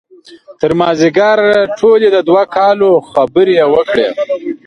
تر مازدیګر ټولې د دوه کالو خبرې یې وکړې.